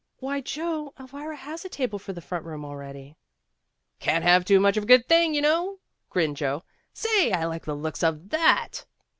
"Why, Joe, Elvira has a table for the front room already." "Can't have too much of a good thing, you know," grinned Joe. "Say I like the looks of that."